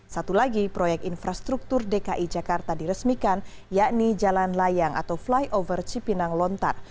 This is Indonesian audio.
satu lagi proyek infrastruktur dki jakarta diresmikan yakni jalan layang atau flyover cipinang lontar